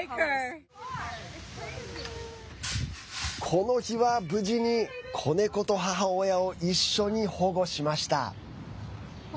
この日は無事に子猫と母親を一緒に保護しました。